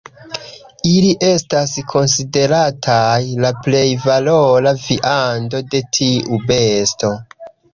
Ili estas konsiderataj la plej valora viando de tiu besto.